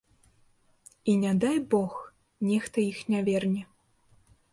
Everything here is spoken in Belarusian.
І, не дай бог, нехта іх не верне.